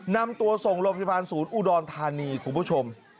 นำตัวส่งโรงพยาบาลศูนย์อุดรธานีคุณผู้ชม